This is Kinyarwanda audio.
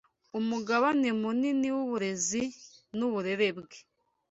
umugabane munini w’uburezi n’uburere bwe